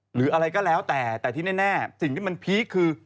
หรืออะไรก็แล้วแต่แต่ที่แน่สิ่งที่มันพีคคือ